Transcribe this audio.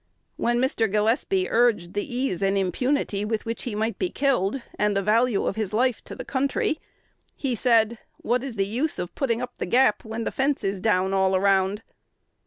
When Mr. Gillespie urged the ease and impunity with which he might be killed, and the value of his life to the country, he said, "What is the use of putting up the gap when the fence is down all around?"